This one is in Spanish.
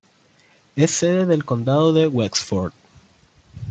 Es sede del condado de Wexford.